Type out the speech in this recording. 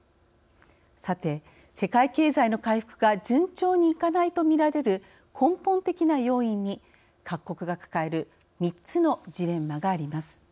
さて、世界経済の回復が順調にいかないと見られる根本的な要因に各国が抱える「３つのジレンマ」があります。